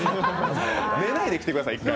寝ないで来てください。